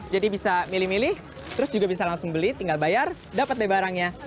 jadi bisa milih milih terus juga bisa langsung beli tinggal bayar dapet deh barangnya